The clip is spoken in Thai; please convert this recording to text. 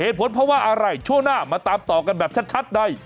เหตุผลเพราะว่าอะไรช่วงหน้ามาตามต่อกันแบบชัดใน